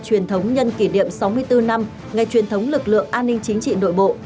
truyền thống nhân kỷ niệm sáu mươi bốn năm ngày truyền thống lực lượng an ninh chính trị nội bộ